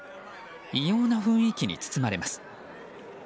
異様な雰囲気に包まれます。